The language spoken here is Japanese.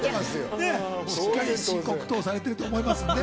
しっかり申告等をされてると思いますけど。